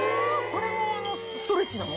これもストレッチなの？